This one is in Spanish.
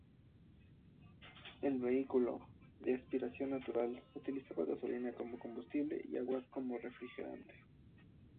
El vehículo, de aspiración natural, utilizaba gasolina como combustible y agua como refrigerante.